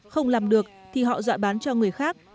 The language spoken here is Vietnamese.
không làm được thì họ dọa bán cho người khác